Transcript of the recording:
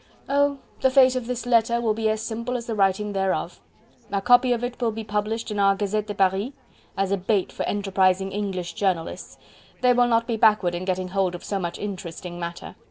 "Oh! the fate of this letter will be as simple as was the writing thereof.... A copy of it will be published in our 'Gazette de Paris' as a bait for enterprising English journalists.... They will not be backward in getting hold of so much interesting matter....